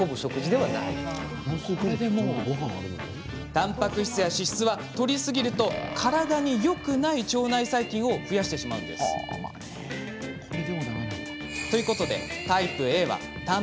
たんぱく質や脂質はとりすぎると体によくない腸内細菌を増やしてしまうんですということでタイプＡはさあ